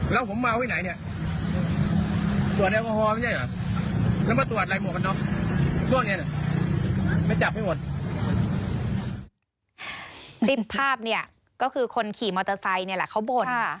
คลิปภาพเนี่ยก็คือคนขี่มอเตอร์ไซค์นี่แหละเขาบ่น